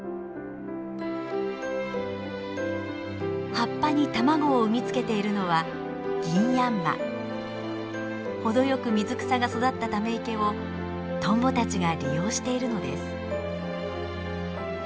葉っぱに卵を産みつけているのは程よく水草が育ったため池をトンボたちが利用しているのです。